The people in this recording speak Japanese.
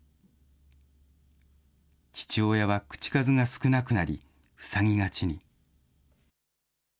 父親は口数が少なくなり、ふさぎがちに。